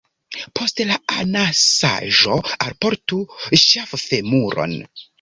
Post la anasaĵo alportu ŝaffemuron.